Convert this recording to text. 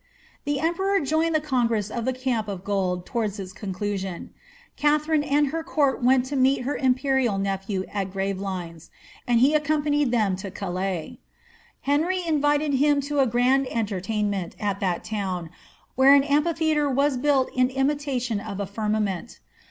I'he emperor joined the congress of ttte Camp of Gold towards its conclusion. Katharine and her court went to meet her imperial nephew at Gravelines, and he accompanied them to Calais. Henry invited him to a grand entertainment at that town, where an amphitheatre was built in imitation of a firmament.